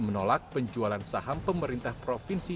menolak penjualan saham pemerintah provinsi